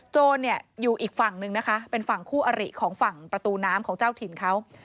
โจรเนี่ยอยู่อีกฝั่งนึงนะคะเป็นฝั่งคู่อริของฝั่งประตูน้ำของเจ้าถิ่นเขา